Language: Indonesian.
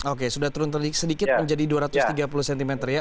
oke sudah turun sedikit menjadi dua ratus tiga puluh cm ya